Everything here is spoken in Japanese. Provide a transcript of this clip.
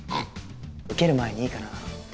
受ける前にいいかな？